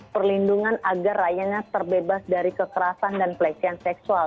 perlindungan agar rakyatnya terbebas dari kekerasan dan pelecehan seksual